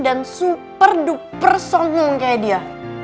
dan super duper somong kayak dia